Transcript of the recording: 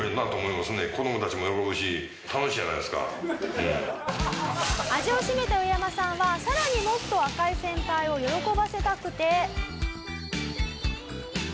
実際に味を占めたウエヤマさんはさらにもっと赤井先輩を喜ばせたくて。